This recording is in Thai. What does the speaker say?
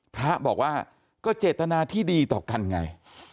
พระบอกว่าก็เจตนาที่ดีต่อกันไง